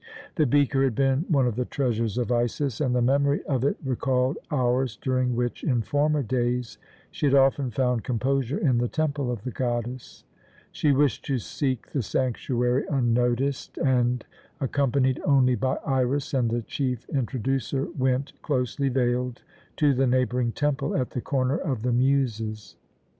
The beaker had been one of the treasures of Isis, and the memory of it recalled hours during which, in former days, she had often found composure in the temple of the goddess. She wished to seek the sanctuary unnoticed and, accompanied only by Iras and the chief Introducer, went, closely veiled, to the neighbouring temple at the Corner of the Muses.